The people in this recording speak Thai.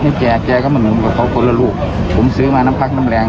แจกแกเข้ามาเหมือนกับเขาคนละลูกผมซื้อมาน้ำพักน้ำแรง